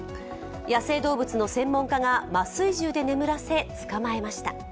野生動物の専門家が麻酔銃で眠らせ捕まえました。